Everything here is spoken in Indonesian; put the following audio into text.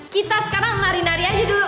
kita sekarang nari nari aja dulu